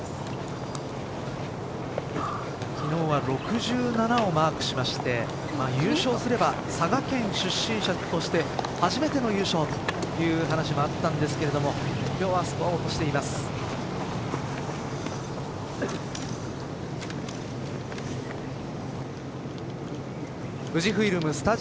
昨日は６７をマークしまして優勝すれば佐賀県出身者として初めての優勝という話もあったんですが今日はスコアを落としています。